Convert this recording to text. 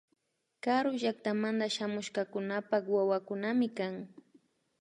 Karu llaktamanta shamushkakunapak wawakunami kan